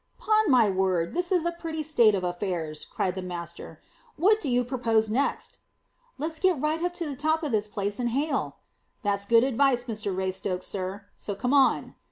"'Pon my word! This is a pretty state of affairs!" cried the master. "What do you propose next?" "Let's get right up to the top of this place and hail." "That's good advice, Mr Raystoke, sir: so come on."